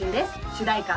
主題歌